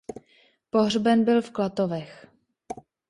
Pohřben byl v Klatovech.